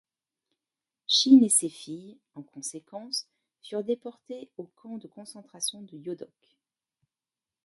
Shin et ses filles, en conséquence, furent déportées au camp de concentration de Yodok.